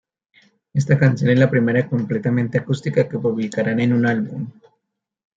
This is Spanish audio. Esta canción es la primera completamente acústica que publicaran en un álbum.